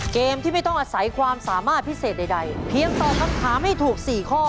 เกมที่ไม่ต้องอาศัยความสามารถพิเศษใดเพียงตอบคำถามให้ถูก๔ข้อ